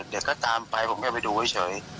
เด็กตามไปแค่ไปดูไว้เฉย